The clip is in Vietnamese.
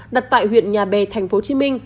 đặt tại huyện nhà bè tp hcm